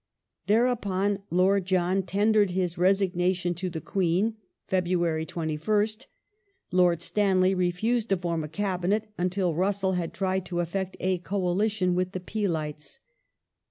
Thereupon Lord John tendered his resignation to the Queen (Feb. 21st). Lord Stanley refused to form a Cabinet until Russell had tried to effect a coalition with the Peelites.